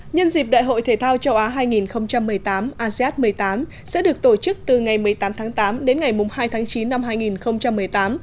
nhân dịp đại hội thể thao châu á hai nghìn một mươi tám asean một mươi tám sẽ được tổ chức từ ngày một mươi tám tháng tám đến ngày hai tháng chín năm hai nghìn một mươi tám